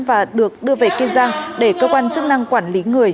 và được đưa về kiên giang để cơ quan chức năng quản lý người